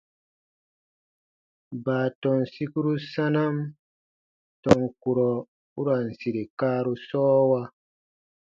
Baatɔn sikuru sanam tɔn kurɔ u ra n sire kaaru sɔɔwa.